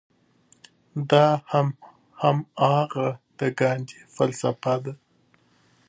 دا هماغه د ګاندي فلسفه ده.